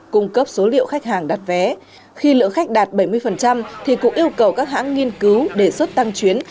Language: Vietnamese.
cung cấp số liệu khách hàng đặt vé khi lượng khách đạt bảy mươi thì cục yêu cầu các hãng nghiên cứu đề xuất tăng chuyến